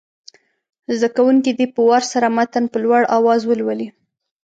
زده کوونکي دې په وار سره متن په لوړ اواز ولولي.